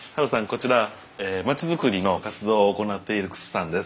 こちら町づくりの活動を行っている楠さんです。